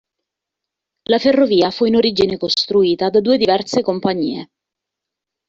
La ferrovia fu in origine costruita da due diverse compagnie.